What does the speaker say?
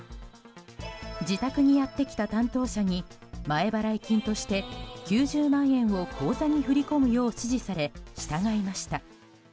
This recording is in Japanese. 自宅にやってきた担当者に前払い金として９０万円を口座に振り込むよう指示され、従いました。